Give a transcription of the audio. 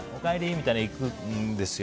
みたいに行くんですよ。